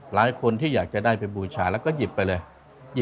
หลายคนที่อยากจะได้ไปบูชาแล้วก็หยิบไปเลย